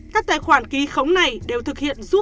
các tài khoản ký khống này đều thực hiện bởi ngân hàng